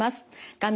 画面